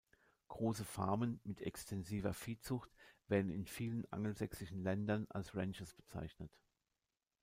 Große Farmen mit extensiver Viehzucht werden in vielen angelsächsischen Ländern als Ranches bezeichnet.